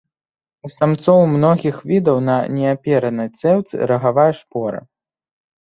У самцоў многіх відаў на неаперанай цэўцы рагавая шпора.